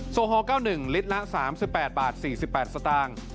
โซฮอล์๙๑ลิตละ๓๘๔๘สตางค์